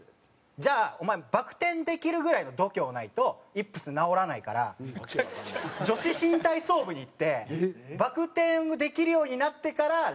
「じゃあお前バク転できるぐらいの度胸ないとイップス治らないから女子新体操部に行ってバク転をできるようになってから練習来い」って言って。